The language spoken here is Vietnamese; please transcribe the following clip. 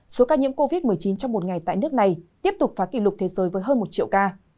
số ca nhiễm covid một mươi chín trong một ngày tại nước này tiếp tục phá kỷ lục thế giới với hơn một triệu ca